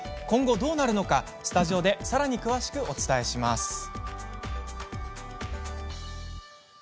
今後どうなるのか、スタジオでさらに詳しくお伝えします。